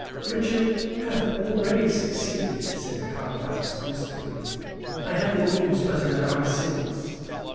"Richard hath already succeeded," said Carfax, whisperingly. "I had the news but an hour since.